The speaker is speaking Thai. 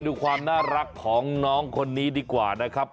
ดูความน่ารักของน้องคนนี้ดีกว่านะครับ